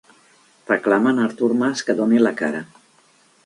Reclamen a Artur Mas que doni la cara